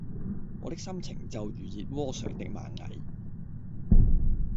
我的心情就如熱窩上的螞蟻